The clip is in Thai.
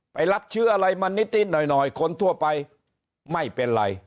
รับเชื้ออะไรมานิดหน่อยคนทั่วไปไม่เป็นไร